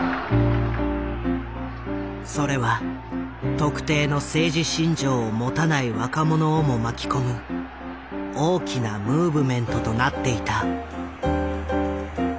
それは特定の政治信条を持たない若者をも巻き込む大きなムーブメントとなっていた。